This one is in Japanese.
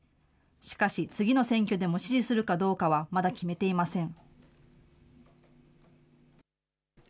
しかし、次の選挙でも支持するかどうかはまだ決めていません。